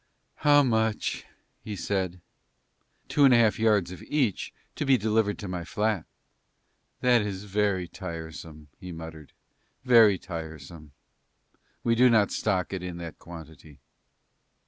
"How much?" he said. "Two and a half yards of each, to be delivered to my flat." "That is very tiresome," he muttered, "very tiresome. We do not stock it in that quantity."